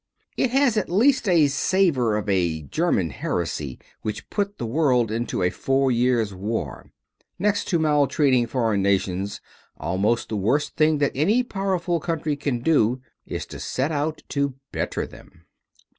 It has at least a savor of a German heresy which put the world into a four years' war. Next to maltreating foreign nations, almost the worst thing that any powerful country can do is to set out to better them.